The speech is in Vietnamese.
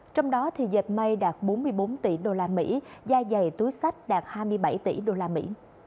trong đó thì dệt may đạt bốn mươi bốn tỷ đô la mỹ da dày túi sách đạt hai mươi bảy tỷ đô la mỹ